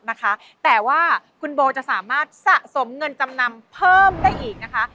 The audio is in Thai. นะคะแต่ว่าคุณโบจะสามารถสะสมเงินจำนำเพิ่มได้อีกนะคะ